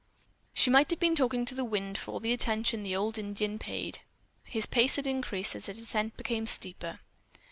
She might have been talking to the wind for all the attention the old Indian paid. His pace had increased as the descent became steeper.